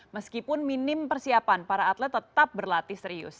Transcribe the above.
meskipun minim persiapan para atlet tetap berlatih serius